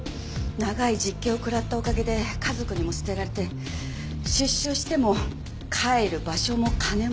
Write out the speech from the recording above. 長い実刑を食らったおかげで家族にも捨てられて出所しても帰る場所も金もなし。